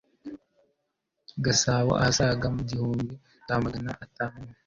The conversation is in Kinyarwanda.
Gasabo ahasaga mu gihumbi nz magana atantu